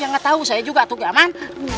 yang ngetau saya juga atu gak aman